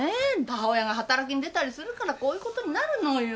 母親が働きに出たりするからこういうことになるのよ。